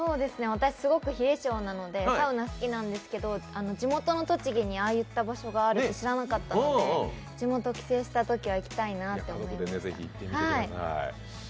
私、すごく冷え性なのでサウナ、好きなんですけど地元の栃木にああいった場所があるって知らなかったので、地元帰省したときは行きたいなって思いました。